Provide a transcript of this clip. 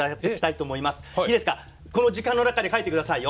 いいですかこの時間の中で書いてくださいよ。